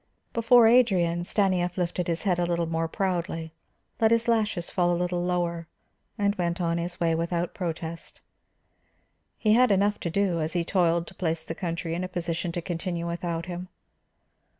Before Adrian, Stanief lifted his head a little more proudly, let his lashes fall a little lower, and went on his way without protest. He had enough to do, as he toiled to place the country in a position to continue without him.